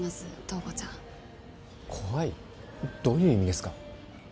どういう意味ですか？